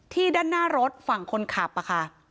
ด้านหน้ารถฝั่งคนขับค่ะ